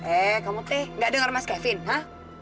eh kamu teh gak dengar mas kevin